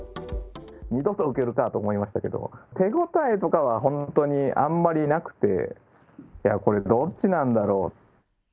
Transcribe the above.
二度と受けるかと思いましたけど、手応えとかは本当に、あんまりなくて、いや、これ、どっちなんだろう。